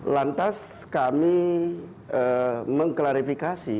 lantas kami mengklarifikasi